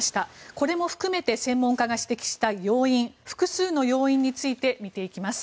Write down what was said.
これも含めて専門家が指摘した要因複数の要因について見ていきます。